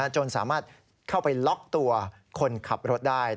จนสามารถเข้าไปล็อกตัวคนขับรถได้